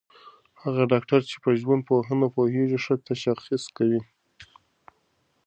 هغه ډاکټر چي په ژوندپوهنه پوهېږي، ښه تشخیص کوي.